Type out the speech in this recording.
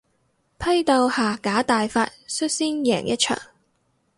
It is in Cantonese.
批鬥下架大法率先贏一仗